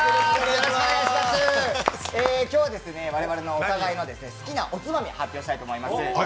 今日は我々のお互いの好きなおつまみ発表します。